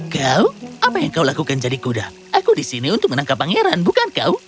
kau apa yang kau lakukan jadi kuda aku disini untuk menangkap pangeran bukan kau